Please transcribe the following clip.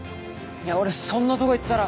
いや俺そんなとこ行ったら。